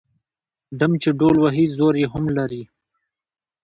ـ ډم چې ډول وهي زور يې هم لري.